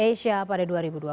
indonesia pada dua ribu dua puluh